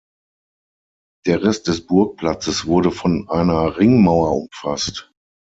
Der Rest des Burgplatzes wurde von einer Ringmauer umfasst.